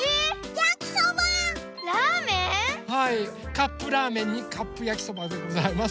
カップラーメンにカップやきそばでございます。